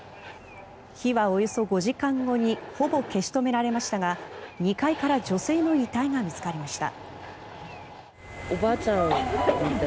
火はおよそ５時間後にほぼ消し止められましたが２階から女性の遺体が見つかりました。